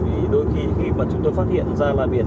vì đôi khi khi mà chúng tôi phát hiện ra là biển